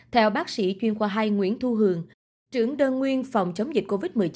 theo bác sĩ chuyên khoa hai nguyễn thu hường trưởng đơn nguyên phòng chống dịch covid một mươi chín